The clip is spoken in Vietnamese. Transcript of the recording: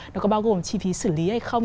nó có bao gồm chi phí xử lý hay không